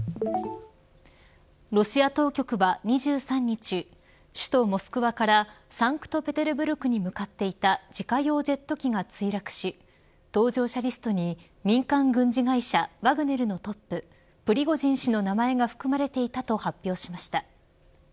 ロシア当局は２３日首都モスクワからサンクトペテルブルクに向かっていた自家用ジェット機が墜落し搭乗者リストに民間軍事会社ワグネルのトッププリゴジン氏の名前が含まれていたと発表しました。